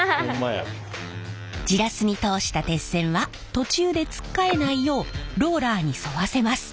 ジラスに通した鉄線は途中でつっかえないようローラーに沿わせます。